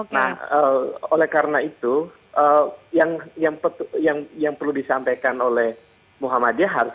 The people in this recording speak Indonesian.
nah oleh karena itu yang perlu disampaikan oleh muhammadiyah